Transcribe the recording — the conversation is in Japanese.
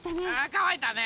かわいたね！